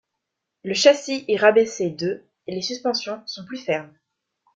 Le châssis est rabaissé de et les suspensions sont plus fermes.